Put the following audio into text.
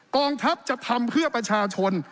กองทัพจะทำเพื่อประชาชน